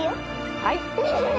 はい。